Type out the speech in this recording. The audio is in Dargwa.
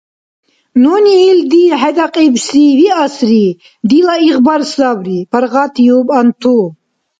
Нуни илди хӀедакьибси виасри, дила игъбар сабри, – паргъатиуб Анту.